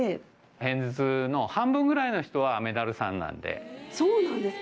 片頭痛の半分ぐらいの人は、そうなんですか。